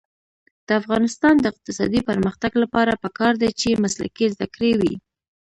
د افغانستان د اقتصادي پرمختګ لپاره پکار ده چې مسلکي زده کړې وي.